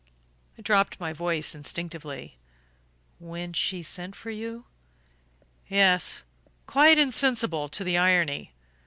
I dropped my voice instinctively. "When she sent for you?" "Yes quite insensible to the irony.